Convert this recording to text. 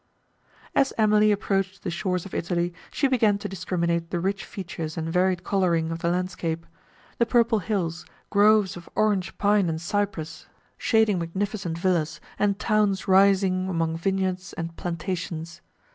As Emily approached the shores of Italy she began to discriminate the rich features and varied colouring of the landscape—the purple hills, groves of orange pine and cypress, shading magnificent villas, and towns rising among vineyards and plantations.